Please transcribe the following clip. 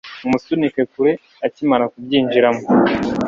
Mumusunike kure akimara kubyinjiramo